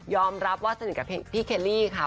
รับว่าสนิทกับพี่เคลลี่ค่ะ